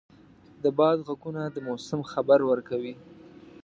د باد ږغونه د موسم خبر ورکوي.